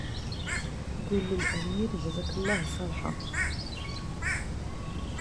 قل للأمير جزاك الله صالحة